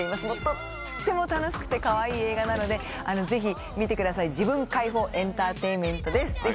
もうとっても楽しくてかわいい映画なのでぜひ見てください自分解放エンターテインメントです。